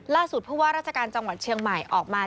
ผู้ว่าราชการจังหวัดเชียงใหม่ออกมา